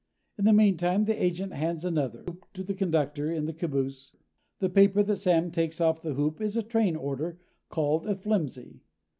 In the meantime the agent hands another hoop to the conductor in the caboose. The paper that Sam takes off the hoop is a train order, called a flimsy.